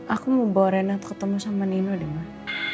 aku mau bawa rena ketemu sama nino deh mah